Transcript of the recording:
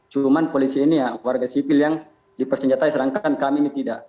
cuman polisi ini warga sipil yang dipersenjatai sedangkan kami ini tidak